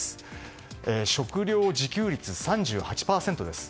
食料自給率３８％です。